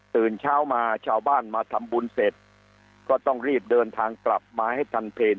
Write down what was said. ตื่นเช้ามาชาวบ้านมาทำบุญเสร็จก็ต้องรีบเดินทางกลับมาให้ทันเพลง